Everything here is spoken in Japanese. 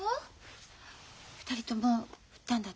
２人とも振ったんだって？